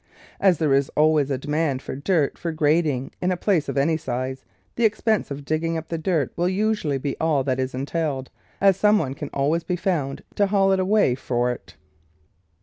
As there is always a demand for dirt for grading in a place of any size, the expense of digging up the THE VEGETABLE GARDEN dirt will usually be all that is entailed, as some one can always be found to haul it away for it.